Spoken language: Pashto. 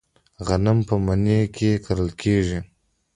غنم په مني کې کرل کیږي.